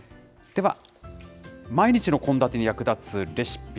では、毎日の献立に役立つレシピ